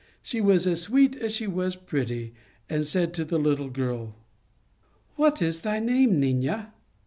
She was as sweet as she was pretty, and said to the little girl :" What is thy name, nina